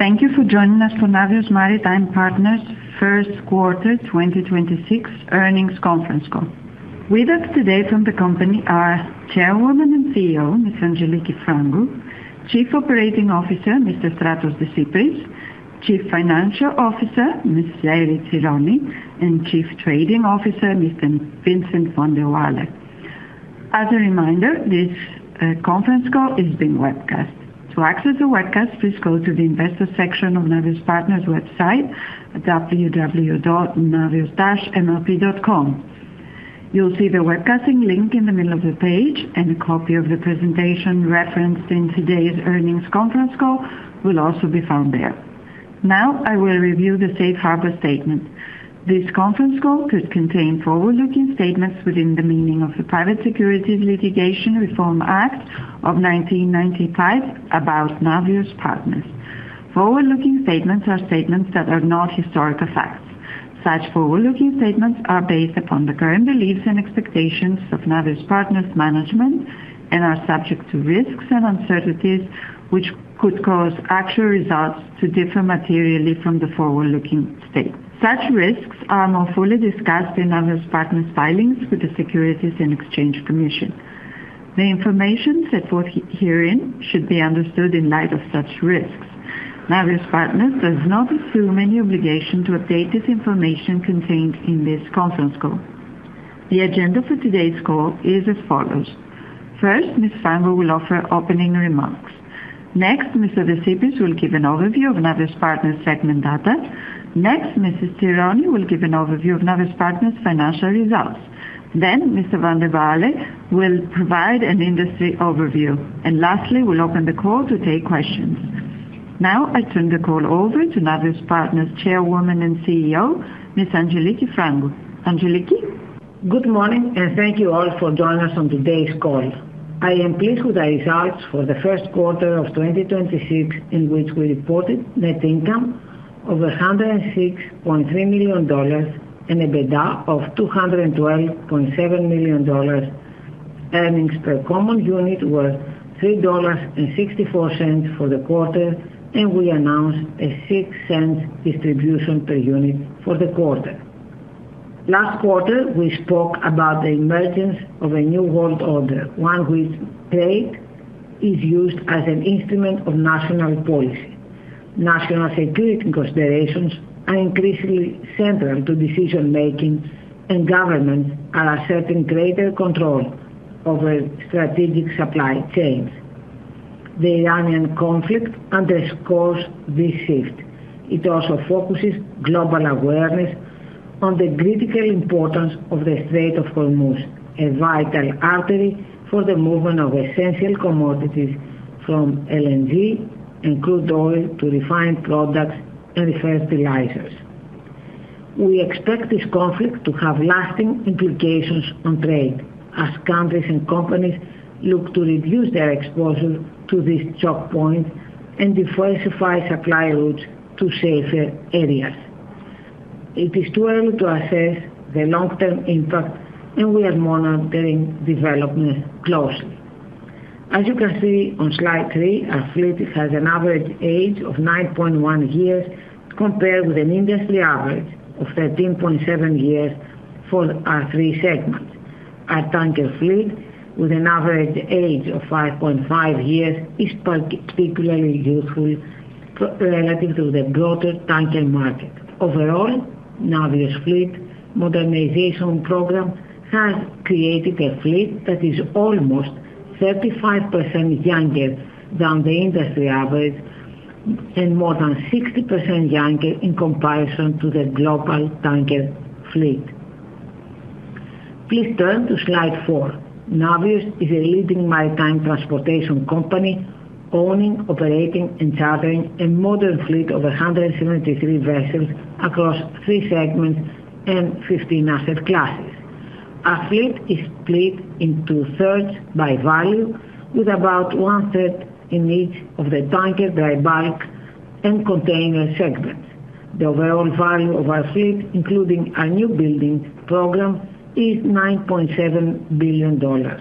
Thank you for joining us for Navios Maritime Partners' first quarter 2026 earnings conference call. With us today from the company are Chairwoman and Chief Executive Officer, Ms. Angeliki Frangou, Chief Operating Officer, Mr. Efstratios Desypris, Chief Financial Officer, Ms. Erifyli Tsironi, and Chief Trading Officer, Mr. Vincent Vandewalle. As a reminder, this conference call is being webcast. To access the webcast, please go to the investor section of Navios Partners' website at www.navios-np.com. You'll see the webcasting link in the middle of the page, and a copy of the presentation referenced in today's earnings conference call will also be found there. Now, I will review the safe harbor statement. This conference call could contain forward-looking statements within the meaning of the Private Securities Litigation Reform Act of 1995 about Navios Partners. Forward-looking statements are statements that are not historical facts. Such forward-looking statements are based upon the current beliefs and expectations of Navios Partners' management and are subject to risks and uncertainties, which could cause actual results to differ materially from the forward-looking statements. Such risks are more fully discussed in Navios Partners' filings with the Securities and Exchange Commission. The information set forth herein should be understood in light of such risks. Navios Partners does not assume any obligation to update this information contained in this conference call. The agenda for today's call is as follows. First, Ms. Frangou will offer opening remarks. Next, Mr. Desypris will give an overview of Navios Partners segment data. Next, Mrs. Tsironi will give an overview of Navios Partners financial results. Then, Mr. Vandewalle will provide an industry overview. Lastly, we'll open the call to take questions. I turn the call over to Navios Partners Chairwoman and Chief Executive Officer, Ms. Angeliki Frangou. Angeliki? Good morning, and thank you all for joining us on today's call. I am pleased with the results for the first quarter of 2026, in which we reported net income of $106.3 million and EBITDA of $212.7 million. Earnings per common unit were $3.64 for the quarter, and we announced a $0.06 distribution per unit for the quarter. Last quarter, we spoke about the emergence of a New World Order, one which trade is used as an instrument of national policy. National security considerations are increasingly central to decision-making, and governments are asserting greater control over strategic supply chains. The Iranian conflict underscores this shift. It also focuses global awareness on the critical importance of the Strait of Hormuz, a vital artery for the movement of essential commodities from LNG and crude oil to refined products and fertilizers. We expect this conflict to have lasting implications on trade as countries and companies look to reduce their exposure to these choke points and diversify supply routes to safer areas. It is too early to assess the long-term impact, and we are monitoring developments closely. As you can see on slide three, our fleet has an average age of 9.1 years compared with an industry average of 13.7 years for our three segments. Our tanker fleet, with an average age of 5.5 years, is particularly youthful relative to the broader tanker market. Overall, Navios' fleet modernization program has created a fleet that is almost 35% younger than the industry average and more than 60% younger in comparison to the global tanker fleet. Please turn to slide four. Navios is a leading maritime transportation company, owning, operating, and chartering a modern fleet of 173 vessels across three segments and 15 asset classes. Our fleet is split into thirds by value, with about one-third in each of the tanker, dry bulk, and container segments. The overall value of our fleet, including our new building program, is $9.7 billion.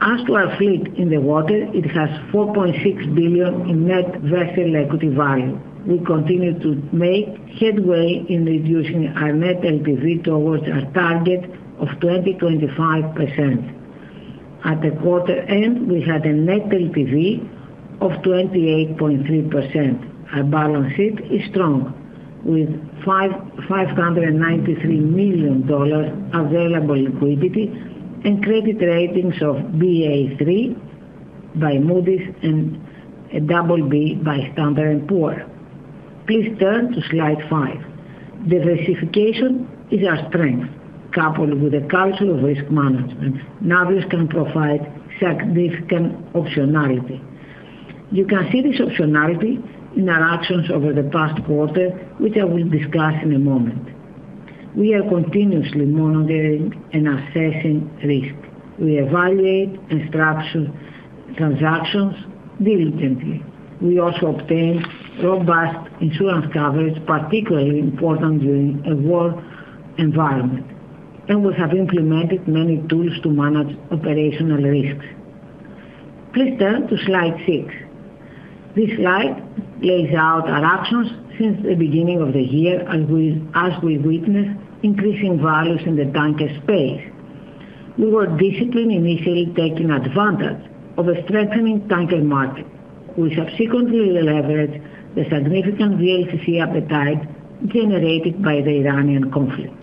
As to our fleet in the water, it has $4.6 billion in net vessel equity value. We continue to make headway in reducing our net LTV towards our target of 20%-25%. At the quarter end, we had a net LTV of 28.3%. Our balance sheet is strong, with $593 million available liquidity and credit ratings of Ba3 by Moody's and a BB by Standard & Poor's. Please turn to slide five. Diversification is our strength. Coupled with a culture of risk management, Navios can provide significant optionality. You can see this optionality in our actions over the past quarter, which I will discuss in a moment. We are continuously monitoring and assessing risk. We evaluate and structure transactions diligently. We also obtain robust insurance coverage, particularly important during a war environment. We have implemented many tools to manage operational risks. Please turn to slide six. This slide lays out our actions since the beginning of the year as we witnessed increasing values in the tanker space. We were disciplined, initially taking advantage of a strengthening tanker market. We subsequently leveraged the significant VLCC appetite generated by the Iranian conflict.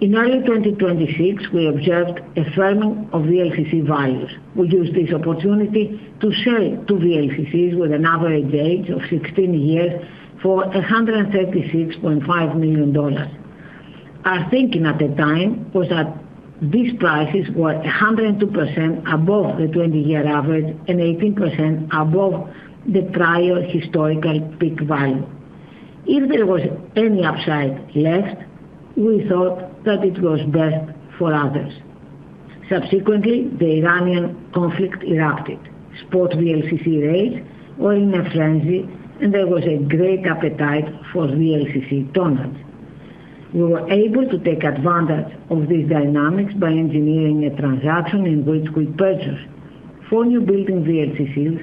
In early 2026, we observed a firming of VLCC values. We used this opportunity to sell two VLCCs with an average age of 16 years for $136.5 million. Our thinking at the time was that these prices were 102% above the 20-year average and 18% above the prior historical peak value. If there was any upside left, we thought that it was best for others. Subsequently, the Iranian conflict erupted. Spot VLCC rates were in a frenzy, and there was a great appetite for VLCC tonnage. We were able to take advantage of these dynamics by engineering a transaction in which we purchased four newbuild VLCCs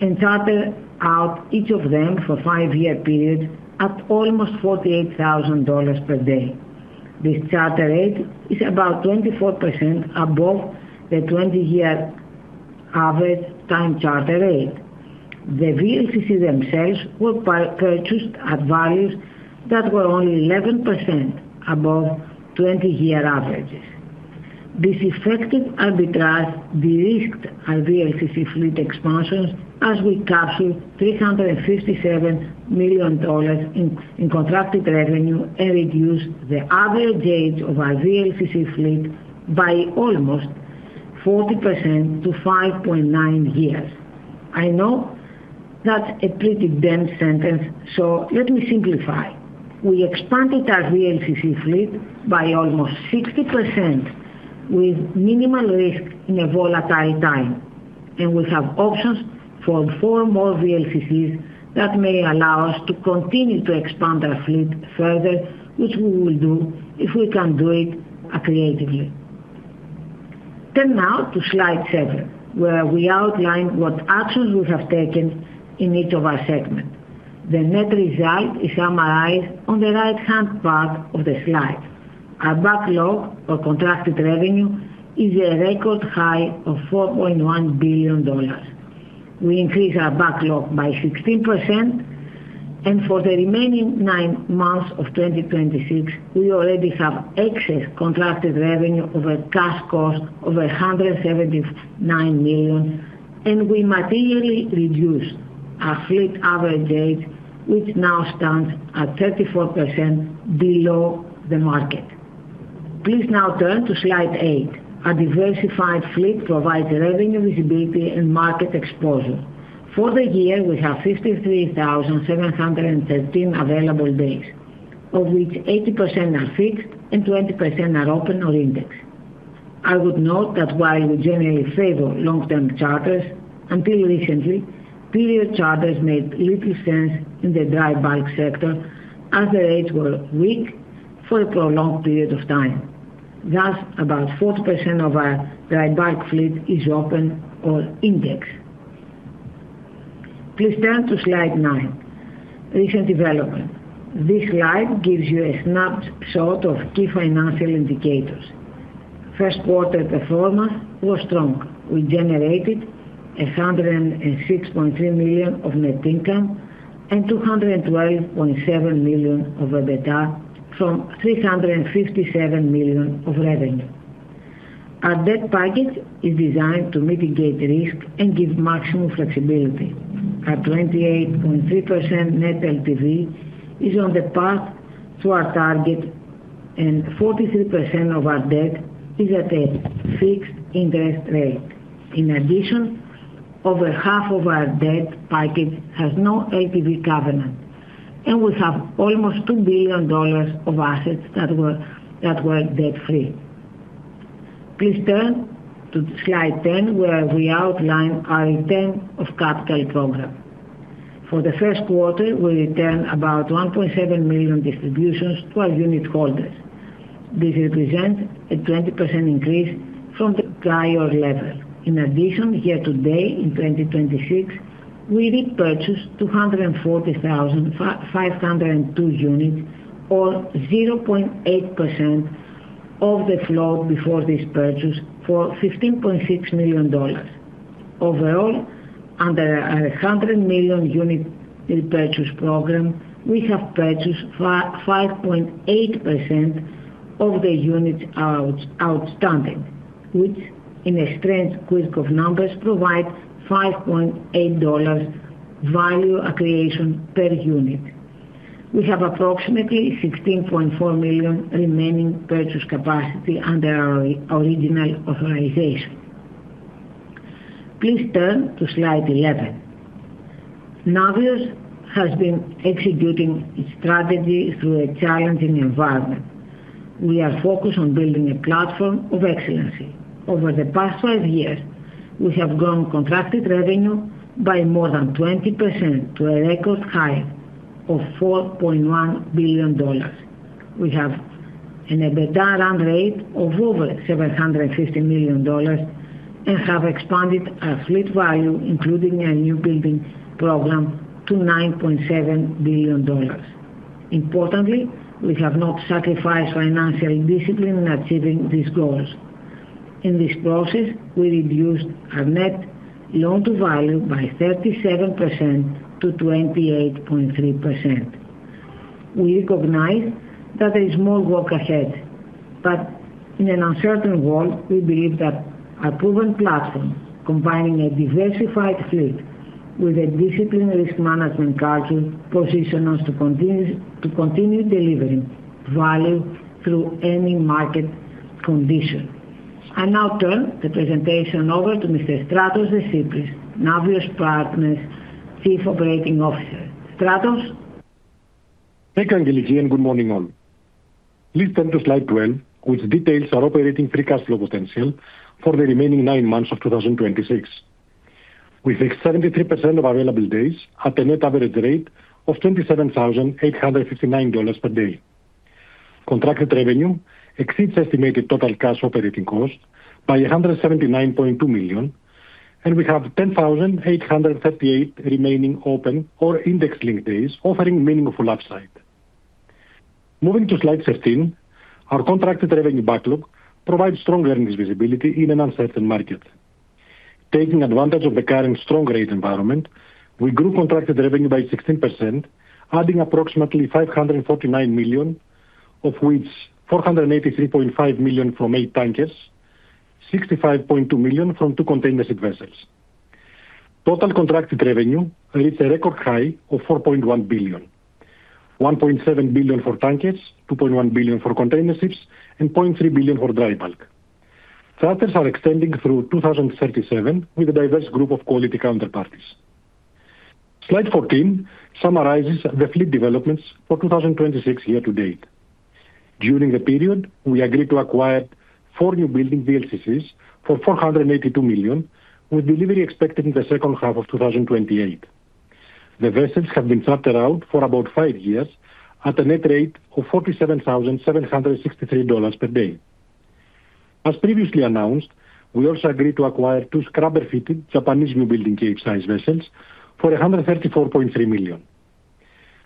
and charter out each of them for five-year periods at almost $48,000 per day. This charter rate is about 24% above the 20-year average time charter rate. The VLCCs themselves were purchased at values that were only 11% above 20-year averages. This effective arbitrage de-risked our VLCC fleet expansions as we captured $357 million in contracted revenue and reduced the average age of our VLCC fleet by almost 40% to 5.9 years. I know that's a pretty dense sentence, so let me simplify. We expanded our VLCC fleet by almost 60% with minimal risk in a volatile time, and we have options for four more VLCCs that may allow us to continue to expand our fleet further, which we will do if we can do it creatively. Turn now to slide seven, where we outline what actions we have taken in each of our segments. The net result is summarized on the right-hand part of the slide. Our backlog of contracted revenue is a record high of $4.1 billion. We increased our backlog by 16%, and for the remaining nine months of 2026, we already have excess contracted revenue over cash cost of $179 million, and we materially reduced our fleet average age, which now stands at 34% below the market. Please now turn to slide eight. Our diversified fleet provides revenue visibility and market exposure. For the year, we have 53,713 available days, of which 80% are fixed and 20% are open or indexed. I would note that while we generally favor long-term charters, until recently, period charters made little sense in the dry bulk sector as the rates were weak for a prolonged period of time. Thus, about 40% of our dry bulk fleet is open or indexed. Please turn to slide nine, recent development. This slide gives you a snapshot of key financial indicators. First quarter performance was strong. We generated $106.3 million of net income and $212.7 million of EBITDA from $357 million of revenue. Our debt package is designed to mitigate risk and give maximum flexibility. Our 28.3% net LTV is on the path to our target, and 43% of our debt is at a fixed interest rate. In addition, over half of our debt package has no LTV covenant, and we have almost $2 billion of assets that were debt-free. Please turn to slide 10, where we outline our return of capital program. For the first quarter, we returned about $1.7 million distributions to our unit holders. This represents a 20% increase from the prior level. In addition, year-to-date in 2026, we repurchased 240,502 units or 0.8% of the float before this purchase for $15.6 million. Overall, under our 100 million-unit repurchase program, we have purchased 5.8% of the units outstanding, which, in a strange twist of numbers, provides $5.8 value accretion per unit. We have approximately $16.4 million remaining purchase capacity under our original authorization. Please turn to slide 11. Navios has been executing its strategy through a challenging environment. We are focused on building a platform of excellency. Over the past five years, we have grown contracted revenue by more than 20% to a record high. Of $4.1 billion. We have an EBITDA run rate of over $750 million and have expanded our fleet value, including a new building program to $9.7 billion. Importantly, we have not sacrificed financial discipline in achieving these goals. In this process, we reduced our net loan to value by 37% to 28.3%. We recognize that there is more work ahead, but in an uncertain world, we believe that our proven platform combining a diversified fleet with a disciplined risk management culture, positions us to continue delivering value through any market condition. I now turn the presentation over to Mr. Efstratios Desypris, Navios Partners Chief Operating Officer. Efstratios? Thank you, Angeliki, and good morning all. Please turn to slide 12, which details our operating free cash flow potential for the remaining nine months of 2026. With 73% of available days at a net average rate of $27,859 per day. Contracted revenue exceeds estimated total cash operating cost by $179.2 million, and we have $10,838 remaining open or index-linked days offering meaningful upside. Moving to slide 13, our contracted revenue backlog provides strong earnings visibility in an uncertain market. Taking advantage of the current strong rate environment, we grew contracted revenue by 16%, adding approximately $549 million, of which $483.5 million from eight tankers, $65.2 million from two containership vessels. Total contracted revenue reached a record high of $4.1 billion, $1.7 billion for tankers, $2.1 billion for containerships, and $0.3 billion for dry bulk. Charters are extending through 2037 with a diverse group of quality counterparties. Slide 14 summarizes the fleet developments for 2026 year to date. During the period, we agreed to acquire four new building VLCCs for $482 million, with delivery expected in the second half of 2028. The vessels have been chartered out for about five years at a net rate of $47,763 per day. As previously announced, we also agreed to acquire two scrubber-fitted Japanese new building Capesize vessels for $134.3 million.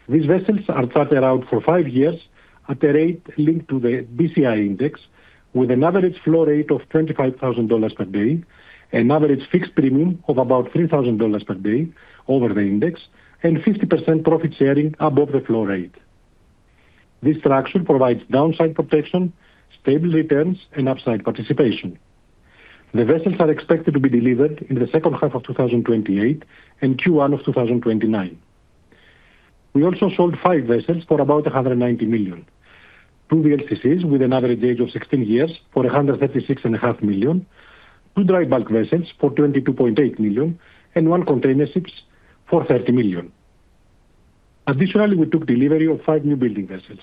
These vessels are chartered out for five years at the rate linked to the BCI index with an average floor rate of $25,000 per day and average fixed premium of about $3,000 per day over the index and 50% profit sharing above the floor rate. This structure provides downside protection, stable returns, and upside participation. The vessels are expected to be delivered in the second half of 2028 and Q1 of 2029. We also sold five vessels for about $190 million. Two VLCCs with an average age of 16 years for $136.5 million, two dry bulk vessels for $22.8 million, and one containership for $30 million. Additionally, we took delivery of five new building vessels,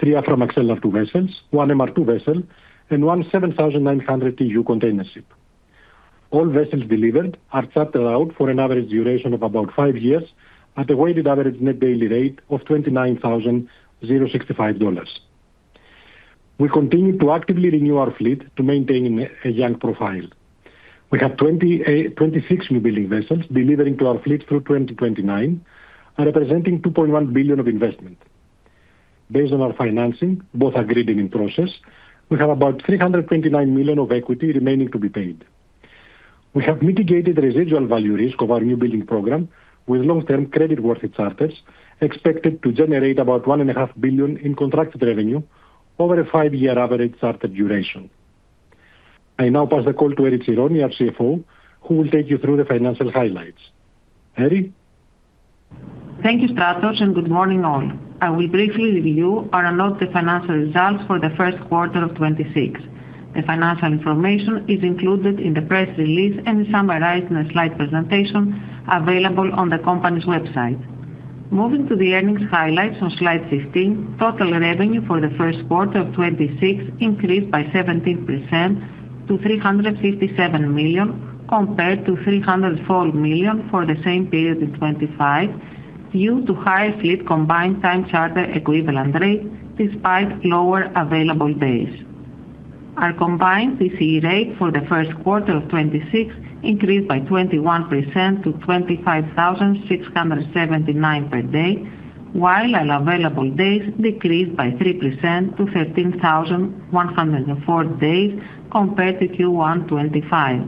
three Aframax LR2 vessels, one MR2 vessel, and 1 7,900 TEU containership. All vessels delivered are chartered out for an average duration of about five years at a weighted average net daily rate of $29,065. We continue to actively renew our fleet to maintain a young profile. We have 26 new building vessels delivering to our fleet through 2029, representing $2.1 billion of investment. Based on our financing, both agreed and in process, we have about $329 million of equity remaining to be paid. We have mitigated the residual value risk of our new building program with long-term creditworthy charters expected to generate about $1.5 billion in contracted revenue over a five-year average charter duration. I now pass the call to Erifyli Tsironi, our Chief Financial Officer, who will take you through the financial highlights. Erifyli. Thank you, Efstratios, and good morning all? I will briefly review our announced financial results for the first quarter of 2026. The financial information is included in the press release and is summarized in a slide presentation available on the company's website. Moving to the earnings highlights on slide 15, total revenue for the first quarter of 2026 increased by 17% to $357 million compared to $304 million for the same period in 2025 due to higher fleet combined time charter equivalent rate despite lower available days. Our combined TCE rate for the first quarter of 2026 increased by 21% to $25,679 per day, while our available days decreased by 3% to 13,104 days compared to Q1 2025.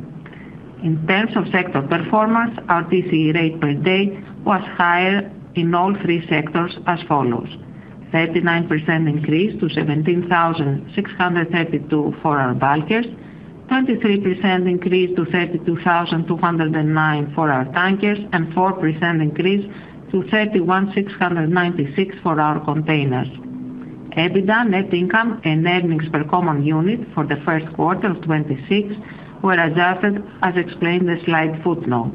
In terms of sector performance, our TCE rate per day was higher in all three sectors as follows: 39% increase to $17,632 for our bulkers, 23% increase to $32,209 for our tankers, and 4% increase to $31,696 for our containers. EBITDA, net income, and earnings per common unit for the first quarter of 2026 were adjusted as explained in the slide footnote.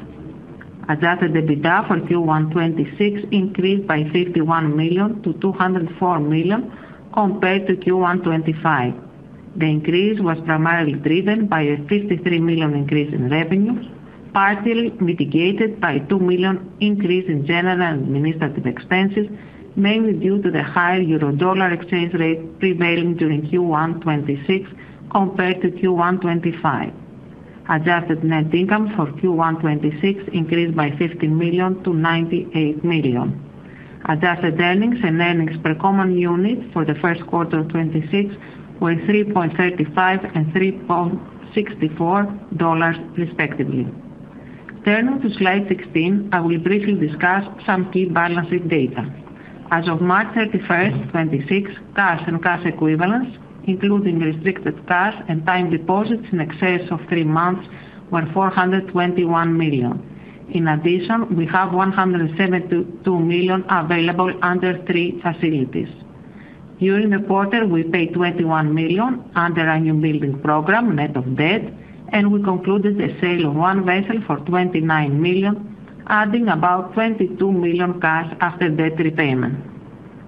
Adjusted EBITDA for Q1 2026 increased by $51 million to $204 million compared to Q1 2025. The increase was primarily driven by a $53 million increase in revenues, partially mitigated by $2 million increase in general and administrative expenses, mainly due to the higher euro/dollar exchange rate prevailing during Q1 2026 compared to Q1 2025. Adjusted net income for Q1 2026 increased by $50 million to $98 million. Adjusted earnings and earnings per common unit for the first quarter of 2026 were $3.35 and $3.64 respectively. Turning to slide 16, I will briefly discuss some key balancing data. As of March 31st, 2026, cash and cash equivalents, including restricted cash and time deposits in excess of three months, were $421 million. In addition, we have $172 million available under three facilities. During the quarter, we paid $21 million under our new building program, net of debt, and we concluded the sale of one vessel for $29 million, adding about $22 million cash after debt repayment.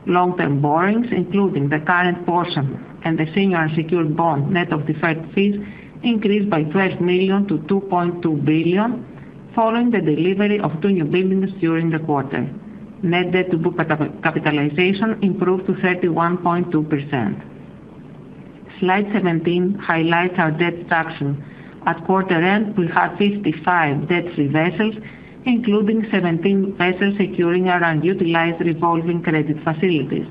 Long-term borrowings, including the current portion and the senior unsecured bond net of deferred fees, increased by $12 million to $2.2 billion following the delivery of two new buildings during the quarter. Net debt to book capitalization improved to 31.2%. Slide 17 highlights our debt structure. At quarter end, we had 55 debt-free vessels, including 17 vessels securing our unutilized revolving credit facilities.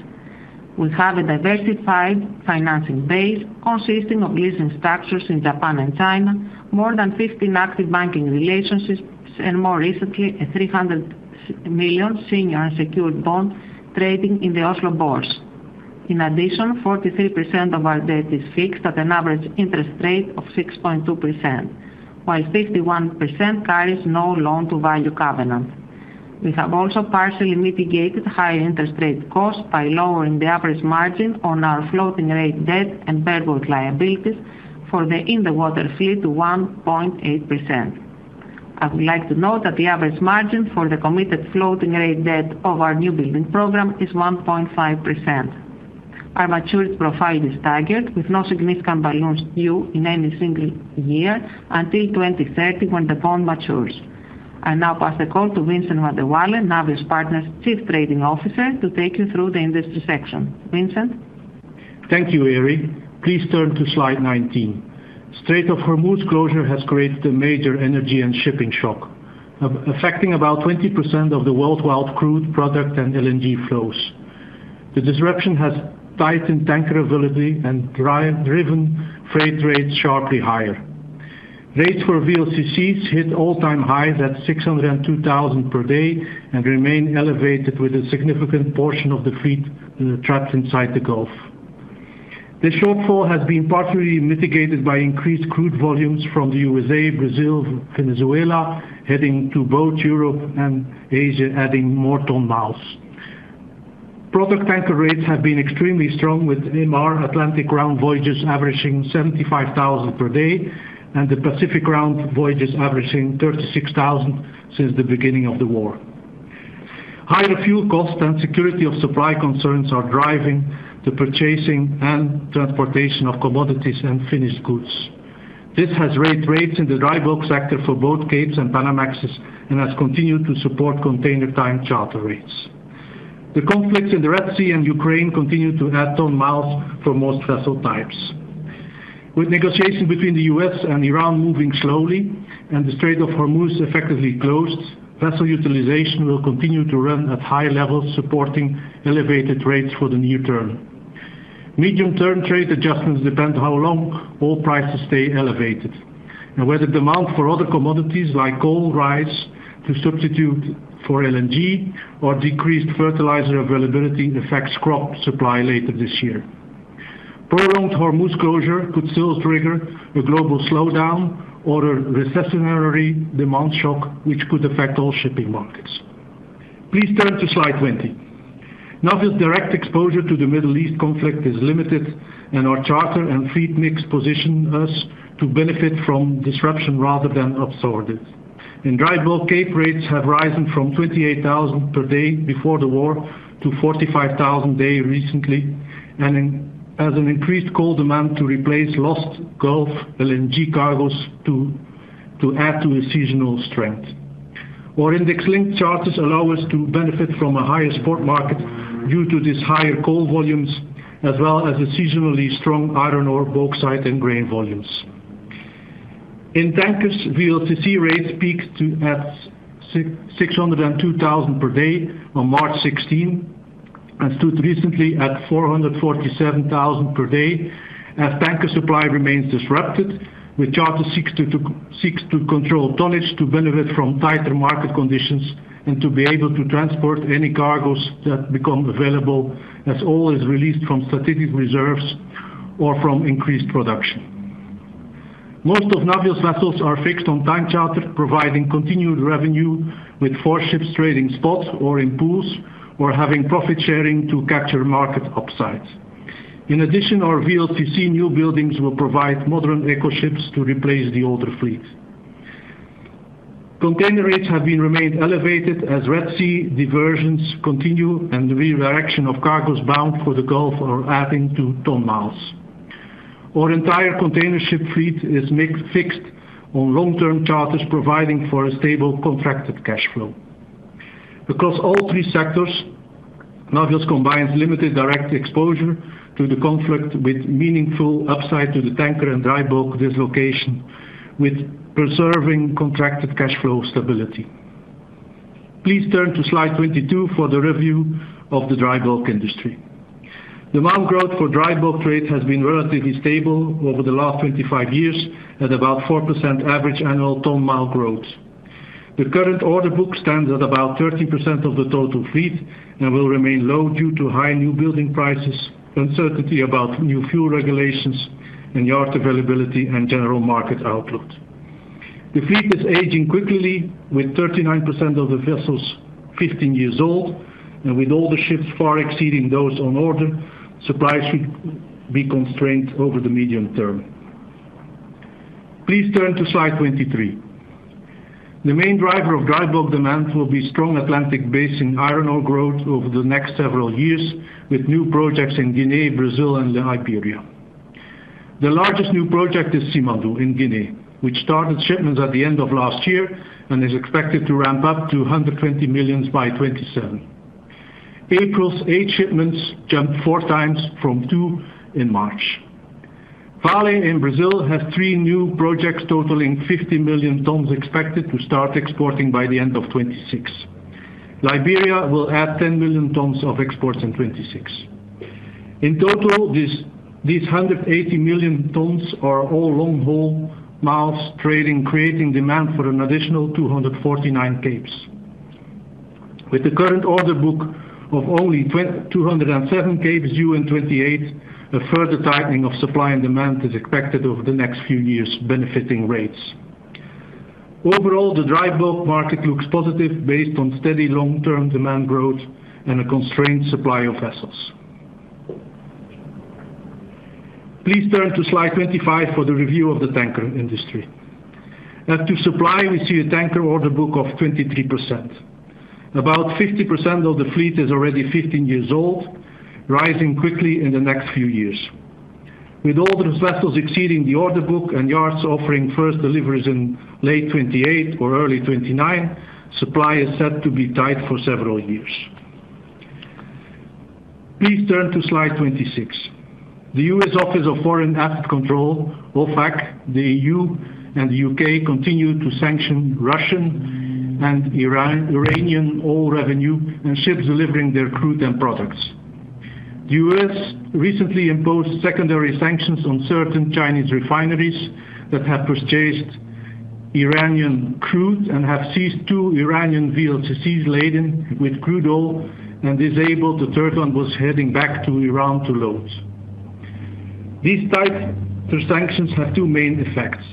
We have a diversified financing base consisting of leasing structures in Japan and China, more than 15 active banking relationships, and more recently, a $300 million senior unsecured bond trading in the Oslo Bourse. In addition, 43% of our debt is fixed at an average interest rate of 6.2%, while 51% carries no loan-to-value covenant. We have also partially mitigated higher interest rate costs by lowering the average margin on our floating rate debt and bareboat liabilities for the in-the-water fleet to 1.8%. I would like to note that the average margin for the committed floating rate debt of our new building program is 1.5%. Our maturity profile is staggered with no significant balloons due in any single year until 2030 when the bond matures. I now pass the call to Vincent Vandewalle, Navios Partners' Chief Trading Officer, to take you through the industry section. Vincent? Thank you, Erifyli. Please turn to slide 19. Strait of Hormuz closure has created a major energy and shipping shock, affecting about 20% of the worldwide crude product and LNG flows. The disruption has tightened tanker availability and driven freight rates sharply higher. Rates for VLCCs hit all-time highs at $602,000 per day and remain elevated with a significant portion of the fleet trapped inside the Gulf. This shortfall has been partially mitigated by increased crude volumes from the U.S.A., Brazil, Venezuela, heading to both Europe and Asia adding more ton miles. Product tanker rates have been extremely strong with MR Atlantic round voyages averaging $75,000 per day and the Pacific round voyages averaging $36,000 since the beginning of the war. Higher fuel costs and security of supply concerns are driving the purchasing and transportation of commodities and finished goods. This has raised rates in the dry bulk sector for both Capes and Panamax and has continued to support container time charter rates. The conflicts in the Red Sea and Ukraine continue to add ton miles for most vessel types. With negotiation between the U.S. and Iran moving slowly and the Strait of Hormuz effectively closed, vessel utilization will continue to run at high levels, supporting elevated rates for the near term. Medium-term trade adjustments depend how long oil prices stay elevated and whether demand for other commodities like coal rise to substitute for LNG or decreased fertilizer availability affects crop supply later this year. Prolonged Hormuz closure could still trigger a global slowdown or a recessionary demand shock which could affect all shipping markets. Please turn to slide 20. Navios' direct exposure to the Middle East conflict is limited, and our charter and fleet mix position us to benefit from disruption rather than absorb it. In dry bulk, Capes rates have risen from $28,000 per day before the war to $45,000 a day recently and as an increased coal demand to replace lost Gulf LNG cargoes to add to the seasonal strength. Our index-linked charters allow us to benefit from a higher spot market due to these higher coal volumes, as well as the seasonally strong iron ore, bauxite, and grain volumes. In tankers, VLCC rates peaked at $602,000 per day on March 16th and stood recently at $447,000 per day as tanker supply remains disrupted with charters seeks to control tonnage to benefit from tighter market conditions and to be able to transport any cargoes that become available as oil is released from strategic reserves or from increased production. Most of Navios vessels are fixed on time charter, providing continued revenue with four ships trading spots or in pools or having profit sharing to capture market upsides. In addition, our VLCC newbuildings will provide modern eco ships to replace the older fleet. Container rates have been remained elevated as Red Sea diversions continue and the redirection of cargoes bound for the Gulf are adding to ton miles. Our entire container ship fleet is fixed on long-term charters providing for a stable contracted cash flow. Across all three sectors, Navios combines limited direct exposure to the conflict with meaningful upside to the tanker and dry bulk dislocation, with preserving contracted cash flow stability. Please turn to slide 22 for the review of the dry bulk industry. Demand growth for dry bulk trade has been relatively stable over the last 25 years at about 4% average annual ton mile growth. The current order book stands at about 30% of the total fleet and will remain low due to high new building prices, uncertainty about new fuel regulations, and yard availability, and general market outlook. The fleet is aging quickly with 39% of the vessels 15 years old and with older ships far exceeding those on order, supply should be constrained over the medium term. Please turn to slide 23. The main driver of dry bulk demand will be strong Atlantic basin iron ore growth over the next several years with new projects in Guinea, Brazil, and Liberia. The largest new project is Simandou in Guinea, which started shipments at the end of last year and is expected to ramp up to 120 million by 2027. April's eight shipments jumped 4x from two in March. Vale in Brazil has three new projects totaling 50 million tons expected to start exporting by the end of 2026. Liberia will add 10 million tons of exports in 2026. In total, these 180 million tons are all long-haul miles trading, creating demand for an additional 249 Capes. With the current order book of only 207 Capes due in 2028, a further tightening of supply and demand is expected over the next few years, benefiting rates. Overall, the dry bulk market looks positive based on steady long-term demand growth and a constrained supply of vessels. Please turn to slide 25 for the review of the tanker industry. As to supply, we see a tanker order book of 23%. About 50% of the fleet is already 15 years old, rising quickly in the next few years. With older vessels exceeding the order book and yards offering first deliveries in late 2028 or early 2029, supply is set to be tight for several years. Please turn to slide 26. The U.S. Office of Foreign Assets Control, OFAC, the EU, and the U.K. continue to sanction Russian and Iranian oil revenue and ships delivering their crude and products. The U.S. recently imposed secondary sanctions on certain Chinese refineries that have purchased Iranian crude and have seized two Iranian-flagged ships laden with crude oil and disabled a third one was heading back to Iran to load. These tighter sanctions have two main effects.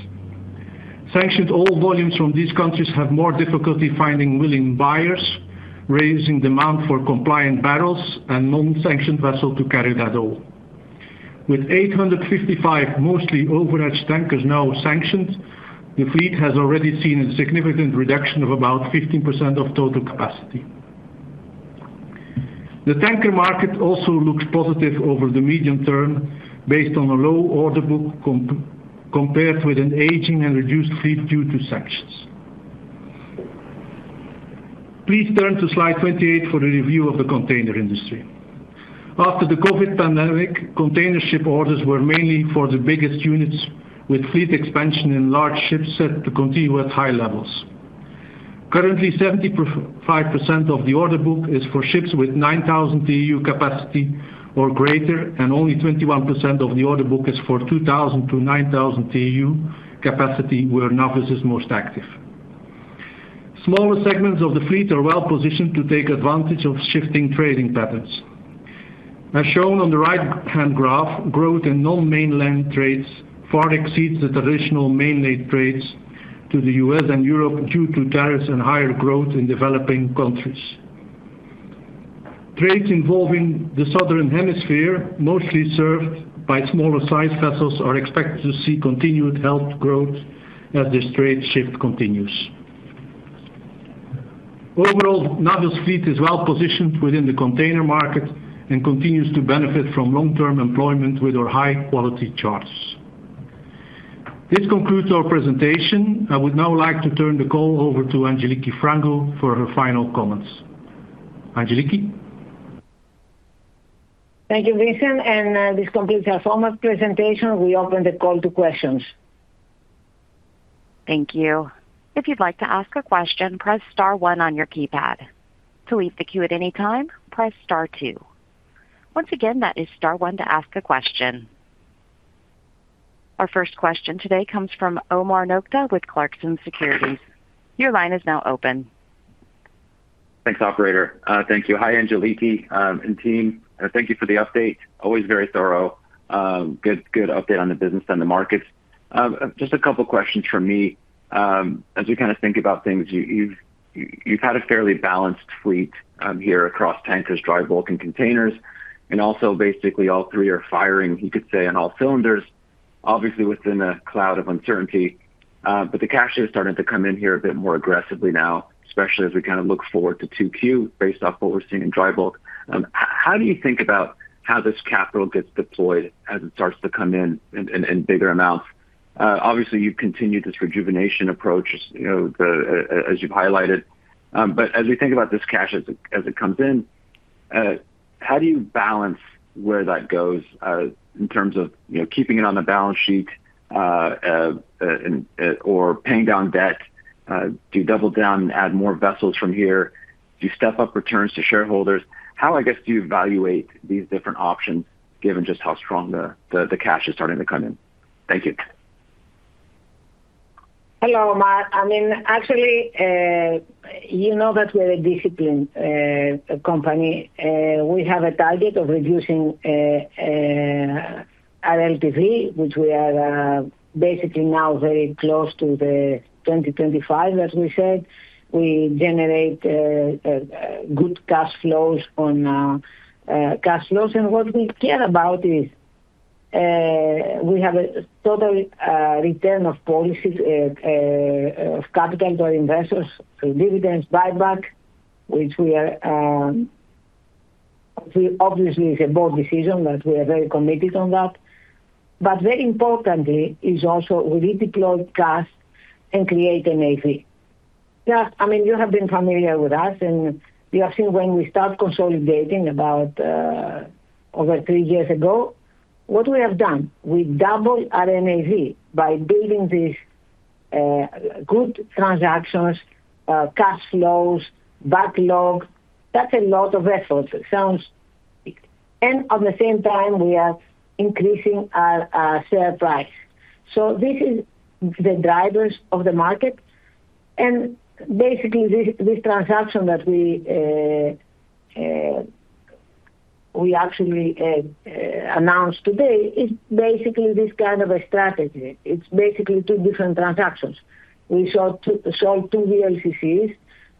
Sanctioned oil volumes from these countries have more difficulty finding willing buyers, raising demand for compliant barrels and non-sanctioned vessels to carry that oil. With 855 mostly overaged tankers now sanctioned, the fleet has already seen a significant reduction of about 15% of total capacity. The tanker market also looks positive over the medium term based on a low order book compared with an aging and reduced fleet due to sanctions. Please turn to slide 28 for the review of the container industry. After the COVID pandemic, container ship orders were mainly for the biggest units with fleet expansion in large ships set to continue at high levels. Currently, 75% of the order book is for ships with 9,000 TEU capacity or greater and only 21% of the order book is for 2,000 TEU capacity-9,000 TEU capacity where Navios is most active. Smaller segments of the fleet are well-positioned to take advantage of shifting trading patterns. As shown on the right-hand graph, growth in non-mainland trades far exceeds the traditional mainland trades to the U.S. and Europe due to tariffs and higher growth in developing countries. Trades involving the Southern Hemisphere, mostly served by smaller-sized vessels, are expected to see continued health growth as this trade shift continues. Overall, Navios fleet is well-positioned within the container market and continues to benefit from long-term employment with our high-quality charters. This concludes our presentation. I would now like to turn the call over to Angeliki Frangou for her final comments. Angeliki? Thank you, Vincent. This completes our formal presentation. We open the call to questions. Thank you. If you'd like to ask a question, press star one on your keypad. To leave the queue at any time, press star two. Once again, that is star one to ask a question. Our first question today comes from Omar Nokta with Clarksons Securities, your line is now open. Thanks, operator. Thank you. Hi, Angeliki, and team? Thank you for the update. Always very thorough. Good update on the business and the markets. Just a couple questions from me. As we think about things, you've had a fairly balanced fleet here across tankers, dry bulk, and containers, and also basically all three are firing, you could say, on all cylinders. Obviously within a cloud of uncertainty. The cash is starting to come in here a bit more aggressively now, especially as we look forward to 2Q based off what we're seeing in dry bulk. How do you think about how this capital gets deployed as it starts to come in bigger amounts? Obviously you've continued this rejuvenation approach as you've highlighted. As we think about this cash as it comes in, how do you balance where that goes in terms of keeping it on the balance sheet or paying down debt? Do you double down and add more vessels from here? Do you step up returns to shareholders? How, I guess, do you evaluate these different options given just how strong the cash is starting to come in? Thank you. Hello, Omar. Actually, you know that we are a disciplined company. We have a target of reducing our LTV, which we are basically now very close to the 2025 that we said. We generate good cash flows, and what we care about is, we have a total return of policies of capital to our investors, so dividends, buyback, which obviously is a board decision, but we are very committed on that. Very importantly is also we redeploy cash and create NAV. You have been familiar with us, and you have seen when we start consolidating about over three years ago, what we have done. We double our NAV by building these good transactions, cash flows, backlog. That's a lot of vessels. At the same time, we are increasing our share price. This is the drivers of the market. Basically, this transaction that we actually announced today is basically this kind of a strategy. It is basically two different transactions. We sold two VLCCs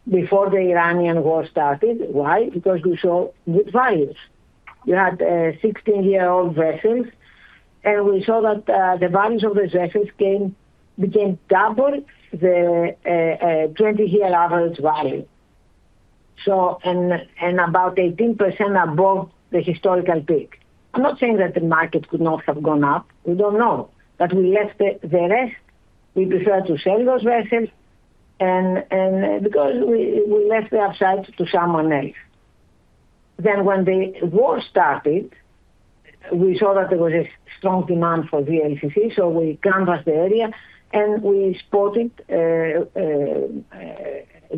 before the Iranian war started. Why? Because we saw good values. You had 16-year-old vessels. We saw that the values of these vessels became double the 20-year average value. About 18% above the historical peak. I am not saying that the market could not have gone up. We do not know. We left the rest. We prefer to sell those vessels because we left the upside to someone else. When the war started, we saw that there was a strong demand for VLCC. We canvassed the area and we spotted a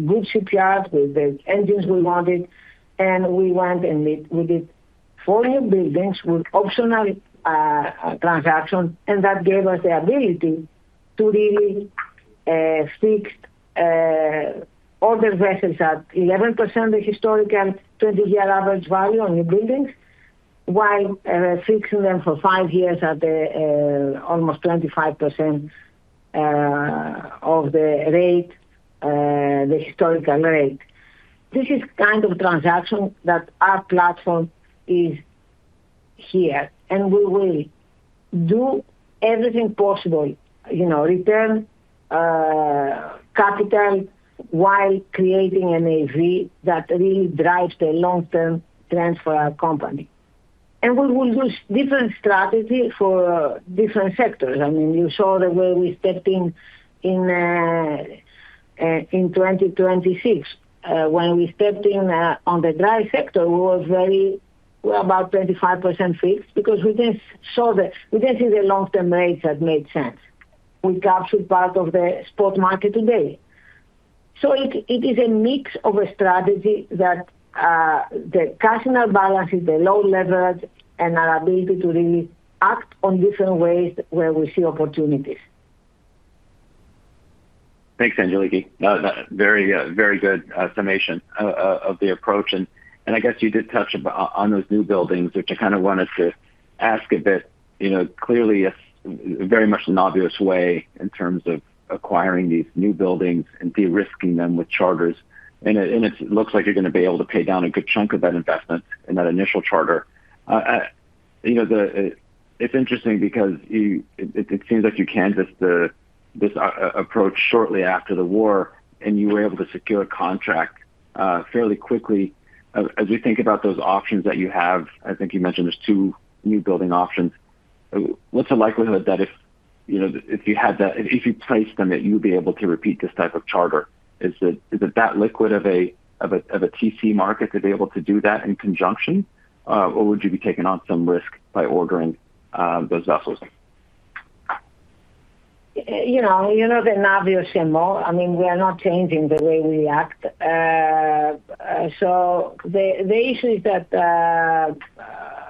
good shipyard with the engines we wanted. We went and we did four newbuildings with optional transaction. That gave us the ability to really fixed older vessels at 11% of historical 20-year average value on newbuildings while fixing them for five years at almost 25% of the historical rate. This is kind of transaction that our platform is here. We will do everything possible, return capital while creating a NAV that really drives the long-term trends for our company. We will use different strategy for different sectors. You saw the way we stepped in 2026. When we stepped in on the dry sector, we were about 25% fixed because we didn't see the long-term rates that made sense. We captured part of the spot market today. It is a mix of a strategy that the customer balances the low leverage and our ability to really act on different ways where we see opportunities. Thanks, Angeliki. Very good summation of the approach, and I guess you did touch on those new buildings, which I wanted to ask a bit. Clearly it's very much an obvious way in terms of acquiring these new buildings and de-risking them with charters, and it looks like you're going to be able to pay down a good chunk of that investment in that initial charter. It's interesting because it seems like you canvassed this approach shortly after the war, and you were able to secure a contract fairly quickly. As we think about those options that you have, I think you mentioned there's two new building options. What's the likelihood that if you priced them, that you would be able to repeat this type of charter? Is it that liquid of a TC market to be able to do that in conjunction? Would you be taking on some risk by ordering those vessels? You know the Navios MO. The issue is that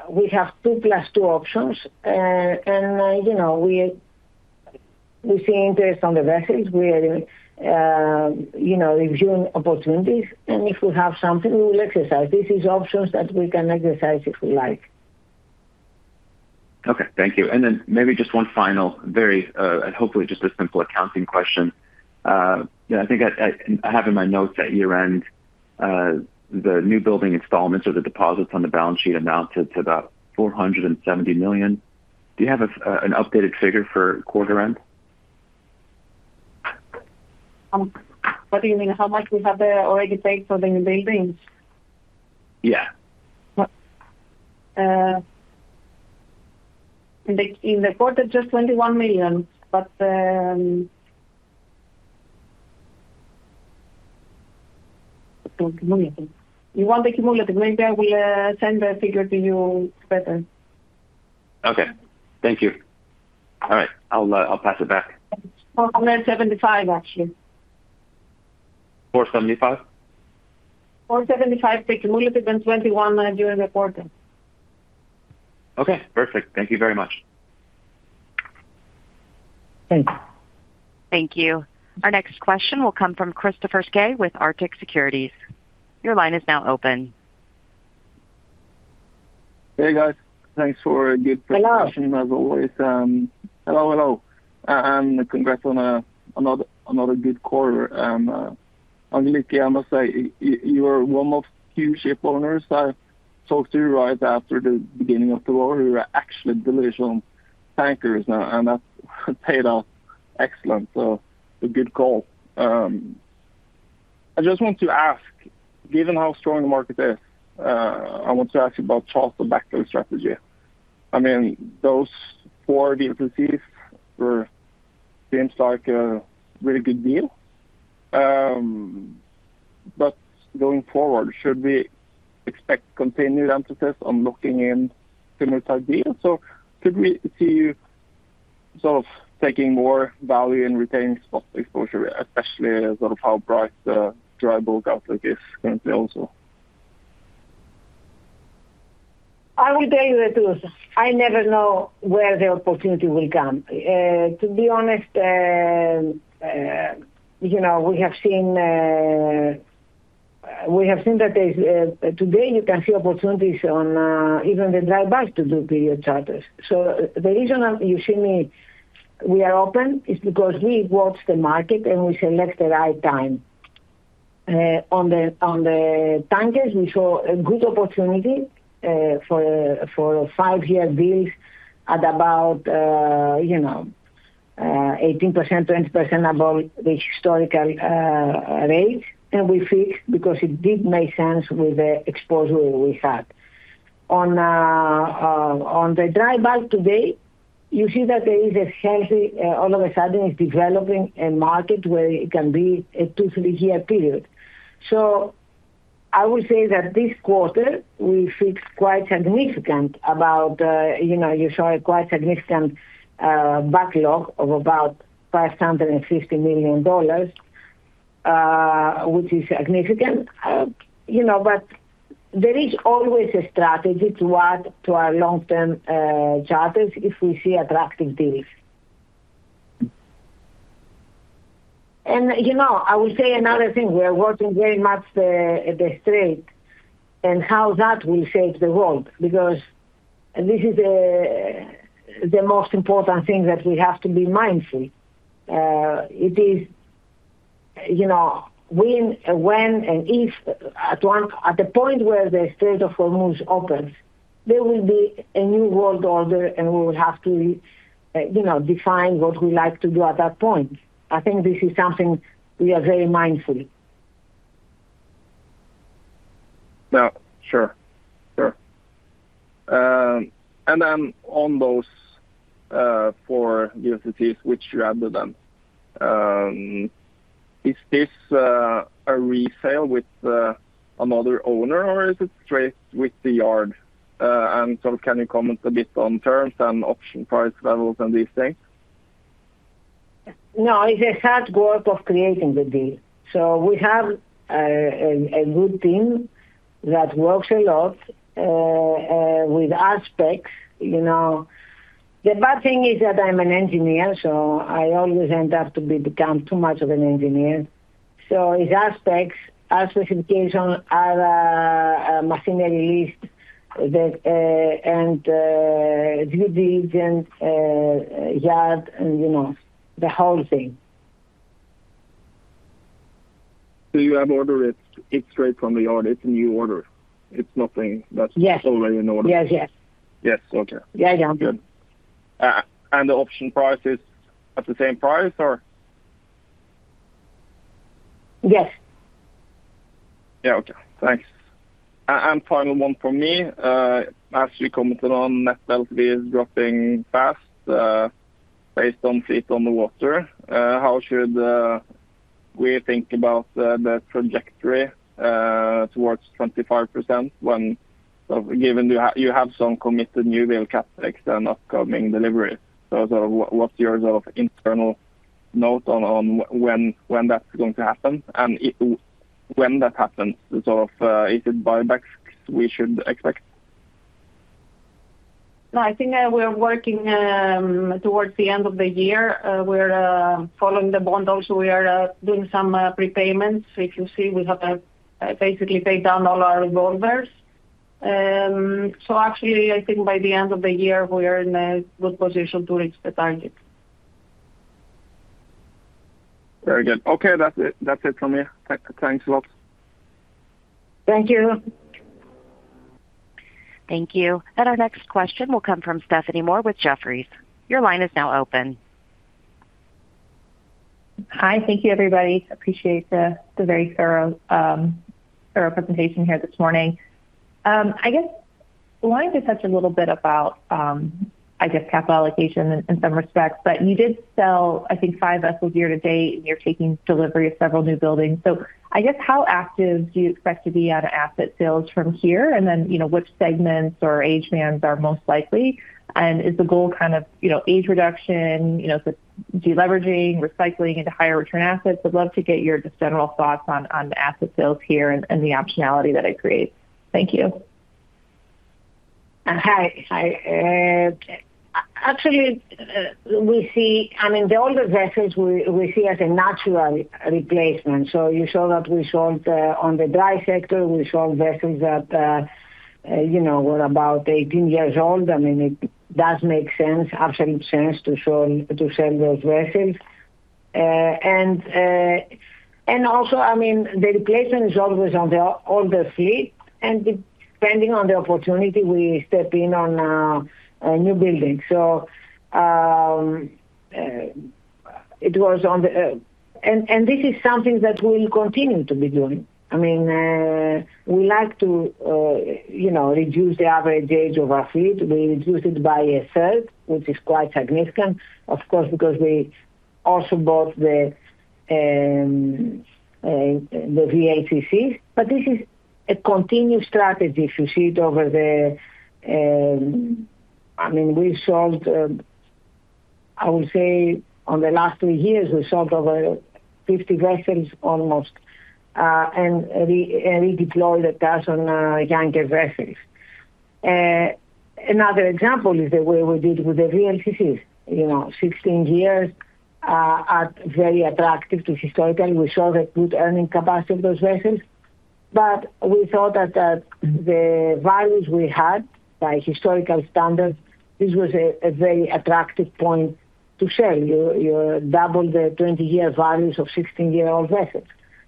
we have 2 + 2 options, and we see interest on the vessels. We are reviewing opportunities, and if we have something, we will exercise. This is options that we can exercise if we like. Okay. Thank you. Maybe just one final very, and hopefully just a simple accounting question. I think I have in my notes that year-end, the new building installments or the deposits on the balance sheet amounted to about $470 million. Do you have an updated figure for quarter-end? What do you mean? How much we have there already paid for the new buildings? Yeah. In the quarter, just $21 million. Cumulative. You want the cumulative? Maybe I will send the figure to you. It's better. Okay, thank you. All right. I'll pass it back. $475 million, actually. $475 million? $475 million cumulative and $21 million during the quarter. Okay, perfect. Thank you very much. Thank you. Thank you. Our next question will come from Kristoffer Skeie with Arctic Securities, your line is now open. Hey, guys? Thanks for a good presentation. Hello As always. Hello, hello, congrats on another good quarter. Angeliki, I must say, you are one of few ship owners I talked to right after the beginning of the war who are actually delivering tankers now, that paid off excellent, a good call. I just want to ask, given how strong the market is, I want to ask you about charter backlog strategy. Those four VLCCs seems like a really good deal. Going forward, should we expect continued emphasis on locking in similar type deals, or could we see you sort of taking more value in retaining spot exposure, especially as how bright the dry bulk outlook is going to be also? I will tell you the truth. I never know where the opportunity will come. To be honest, today you can see opportunities on even the dry bulk to do period charters. The reason you see we are open is because we watch the market and we select the right time. On the tankers, we saw a good opportunity for five-year deals at about 18%-20% above the historical rate. We fixed because it did make sense with the exposure we had. On the dry bulk today, you see that there is a healthy, all of a sudden, it's developing a market where it can be a two, three-year period. I will say that this quarter you saw a quite significant backlog of about $550 million, which is significant. There is always a strategy to add to our long-term charters if we see attractive deals. I will say another thing, we are watching very much the Strait and how that will shape the world, because this is the most important thing that we have to be mindful. It is when and if at the point where the Strait of Hormuz opens, there will be a New World Order and we will have to define what we like to do at that point. I think this is something we are very mindful. Yeah, sure. Sure. On those four VLCCs which you added then, is this a resale with another owner, or is it straight with the yard? Can you comment a bit on terms and option price levels and these things? It's a hard work of creating the deal. We have a good team that works a lot with aspects. The bad thing is that I'm an engineer, so I always end up to become too much of an engineer. It's aspects, our specification, our machinery list, and due diligence, yard, and the whole thing. You have order it straight from the yard. It's a new order? Yes Already in order? Yes, yes. Yes. Okay. Yeah, yeah. Good. The option price is at the same price, or? Yes. Yeah, okay. Thanks. Final one from me. As you commented on, net LTV is dropping fast, based on fleet on the water. How should we think about the trajectory towards 25% when, given you have some committed newbuild CapEx and upcoming deliveries? Sort of, what's your sort of internal note on when that's going to happen? When that happens, sort of, is it buybacks we should expect? I think we are working towards the end of the year. We're following the bond also. We are doing some prepayments. If you see, we have basically paid down all our revolvers. Actually, I think by the end of the year, we are in a good position to reach the target. Very good. Okay, that's it from me. Thanks a lot. Thank you. Thank you. Our next question will come from Stephanie Moore with Jefferies, your line is now open. Hi. Thank you, everybody. Appreciate the very thorough presentation here this morning. Wanted to touch a little bit about capital allocation in some respects, but you did sell, I think, five vessels year to date, and you're taking delivery of several new buildings. How active do you expect to be out of asset sales from here? Which segments or age spans are most likely? Is the goal kind of age reduction, so deleveraging, recycling into higher return assets? I'd love to get your just general thoughts on the asset sales here and the optionality that it creates. Thank you. Hi. Actually, the older vessels we see as a natural replacement. You saw that we sold, on the dry sector, we sold vessels that were about 18 years old. It does make sense, absolute sense, to sell those vessels. The replacement is always on the older fleet, and depending on the opportunity, we step in on new building. This is something that we'll continue to be doing. We like to reduce the average age of our fleet. We reduce it by a third, which is quite significant, of course because we also bought the VLCC. This is a continued strategy. We sold, I would say, on the last three years, we sold over 50 vessels almost, and redeployed the cash on younger vessels. Another example is the way we did with the VLCCs. 16 years are very attractive to historically, we saw the good earning capacity of those vessels. We thought that the values we had, by historical standards, this was a very attractive point to sell. You double the 20-year values of 16-year-old vessels.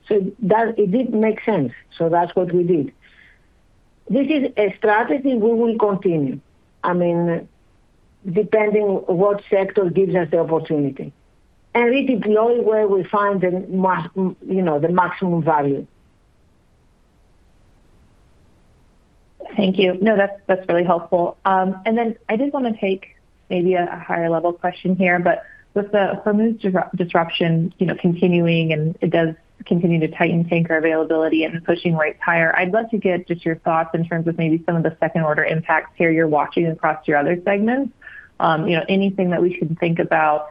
It did make sense, so that's what we did. This is a strategy we will continue. Depending what sector gives us the opportunity, redeploy where we find the maximum value. Thank you. No, that's really helpful. I did want to take maybe a higher-level question here, but with the Hormuz disruption continuing, and it does continue to tighten tanker availability and pushing rates higher, I'd love to get just your thoughts in terms of maybe some of the second-order impacts here you're watching across your other segments. Anything that we should think about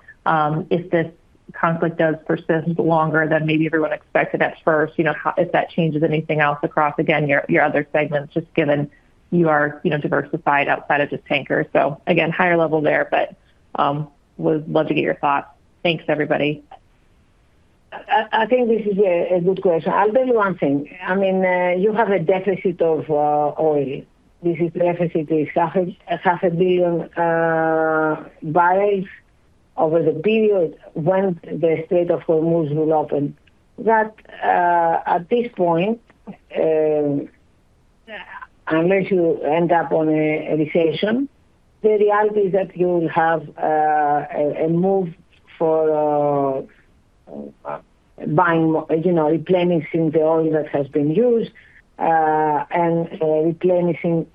if this conflict does persist longer than maybe everyone expected at first, if that changes anything else across, again, your other segments, just given you are diversified outside of just tanker. Again, higher level there, but would love to get your thoughts. Thanks, everybody. I think this is a good question. I'll tell you one thing. You have a deficit of oil. This deficit is half a billion barrels over the period when the Strait of Hormuz will open. That at this point, unless you end up on a recession, the reality is that you will have a move for replenishing the oil that has been used, and replenishing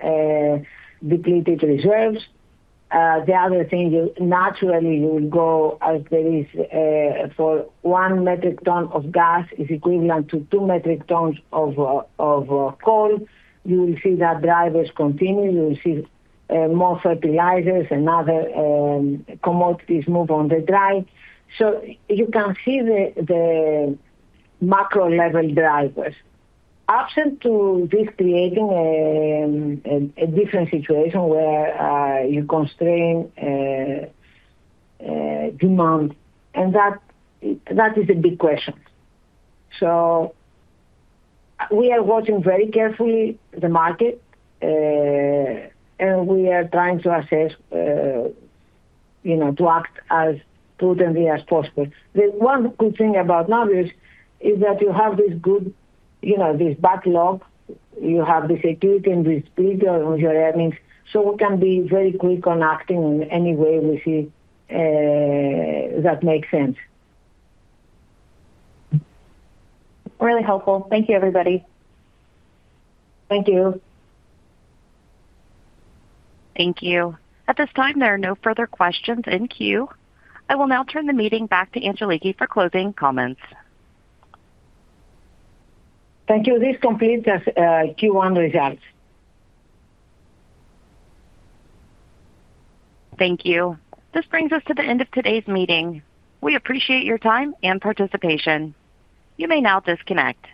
depleted reserves. The other thing, naturally, you will go as there is for one metric ton of gas is equivalent to two metric tons of coal. You will see that drivers continue. You will see more fertilizers and other commodities move on the dry. You can see the macro-level drivers. Absent to this creating a different situation where you constrain demand, and that is a big question. We are watching very carefully the market, we are trying to assess, to act as prudently as possible. The one good thing about Navios is that you have this good backlog. You have this acuity and this speed on your earnings, we can be very quick on acting in any way we see that makes sense. Really helpful. Thank you, everybody. Thank you. Thank you. At this time, there are no further questions in queue. I will now turn the meeting back to Angeliki for closing comments. Thank you. This completes our Q1 results. Thank you. This brings us to the end of today's meeting. We appreciate your time and participation, you may now disconnect.